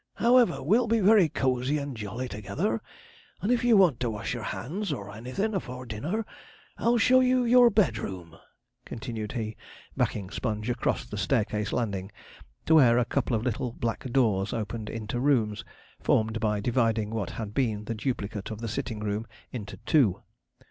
However, we'll be very cosy and jolly together; and if you want to wash your hands, or anything afore dinner, I'll show you your bedroom,' continued he, backing Sponge across the staircase landing to where a couple of little black doors opened into rooms, formed by dividing what had been the duplicate of the sitting room into two.